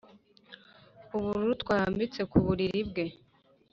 ubururu twarambitse ku buriri bwe.